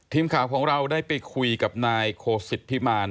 ทีมข่าวของเราได้ไปคุยกับนายโคสิตพิมาร